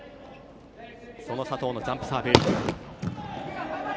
その佐藤のジャンプサーブ。